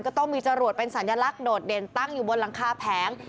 ก็ต้องมีจรวดเป็นสัญลักษณ์โดดเด่นตั้งอยู่บนหลังคาแผง